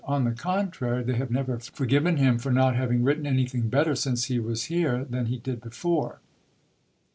On the contrary, they have never forgiven him for not having written anything better since he was here than he did before.